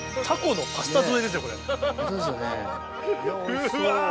うわ！